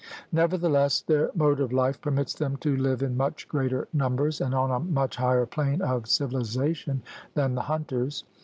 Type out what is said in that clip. Nevertheless their mode of life permits them to live in much greater numbers and on a much higher plane of civiliza tion than the hunters.